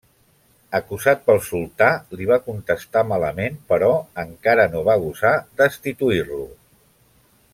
Acusat pel sultà li va contestar malament però encara no va gosar destituir-lo.